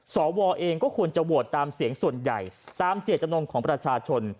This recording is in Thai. สวเองก็ควรจะโหวตตามเสียงส่วนใหญ่ตามเจตจำนงของประชาชน